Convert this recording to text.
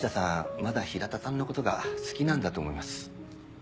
まだ平田さんのことが好きなんだと思います。